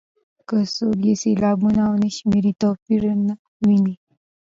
که څوک یې سېلابونه ونه شمېري توپیر نه ویني.